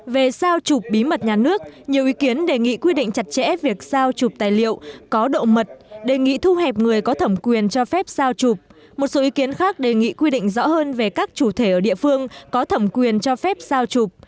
về sao chụp bí mật nhà nước nhiều ý kiến đề nghị quy định chặt chẽ việc sao chụp tài liệu có độ mật đề nghị thu hẹp người có thẩm quyền cho phép sao chụp